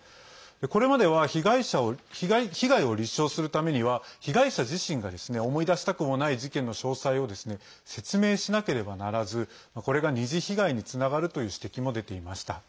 これまでは被害を立証するためには被害者自身が思い出したくもない事件の詳細を説明しなければならずこれが２次被害につながるという指摘も出ていました。